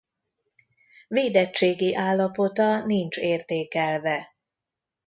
Védettségi állapota nincs értékelve.